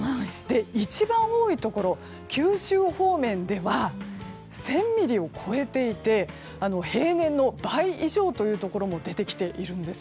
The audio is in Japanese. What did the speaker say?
一番多いところは九州方面では１０００ミリを超えていて平年の倍以上のところも出てきているんです。